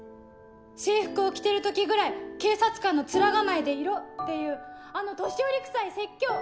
「制服を着てる時ぐらい警察官の面構えでいろ」っていうあの年寄りくさい説教！